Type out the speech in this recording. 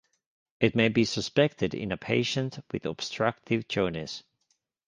It may be suspected in a patient with obstructive jaundice.